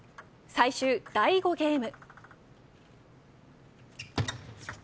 最終第５ゲーム。